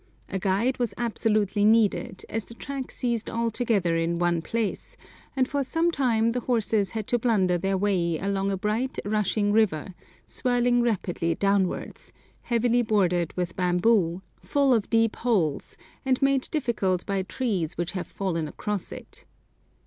A guide was absolutely needed, as the track ceased altogether in one place, and for some time the horses had to blunder their way along a bright, rushing river, swirling rapidly downwards, heavily bordered with bamboo, full of deep holes, and made difficult by trees which have fallen across it.